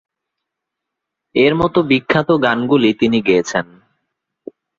এর মতো বিখ্যাত গানগুলি তিনি গেয়েছেন।